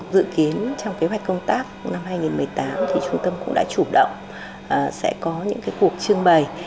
dự kiến trong kế hoạch công tác năm hai nghìn một mươi tám trung tâm cũng đã chủ động sẽ có những cuộc trưng bày